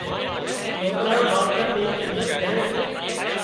سوڪران ماوتران ني عزت ڪري سي